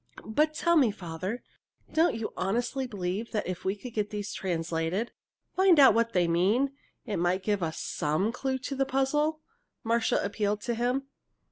"But tell me, Father, don't you honestly believe that if we could get these translated find out what they mean it might give us some clue to the puzzle?" Marcia appealed to him.